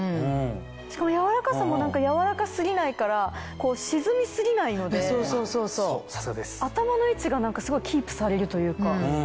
しかも柔らかさも柔らか過ぎないから沈み過ぎないので頭の位置がすごいキープされるというか。